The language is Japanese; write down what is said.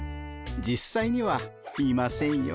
実際にはいませんよ。